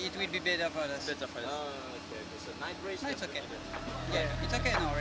tidak apa apa sudah